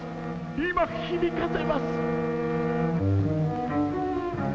今響かせます。